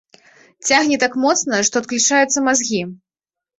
Цягне так моцна, што адключаюцца мазгі.